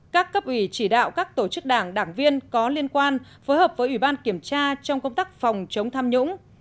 các cấp ủy chỉ đạo các tổ chức đảng đảng viên có liên quan phối hợp với ủy ban kiểm tra trong công tác phòng chống tham nhũng